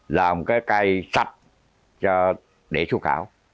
làm cái cây sạch để xuất khảo